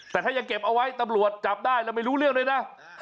แต่ถ้ายังเก็บเอาไว้ตำรวจจับได้แล้วไม่รู้เรื่องด้วยนะ